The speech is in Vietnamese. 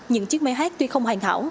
những chiếc máy hát tuy không hoàn hảo